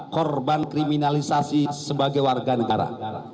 korban kriminalisasi sebagai warga negara